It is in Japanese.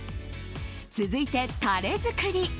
続いて、タレ作り。